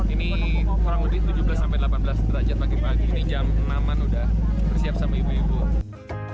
ini kurang lebih tujuh belas sampai delapan belas derajat pagi pagi ini jam enam an udah bersiap sama ibu ibu